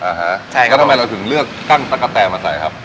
อ่าฮะใช่แล้วทำไมเราถึงเลือกตั้งตะกะแตมาใส่ครับ